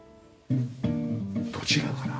どちらから？